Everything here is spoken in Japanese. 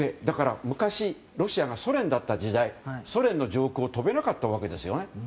だから昔ロシアがソ連だった時代ソ連の上空を飛べなかったわけですよね。